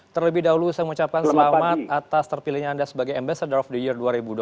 terlebih dahulu saya mengucapkan selamat atas terpilihnya anda sebagai ambassador of the year dua ribu dua puluh